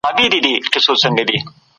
اقتصادي وده يوازي کمي اړخونه په نظر کي نيسي.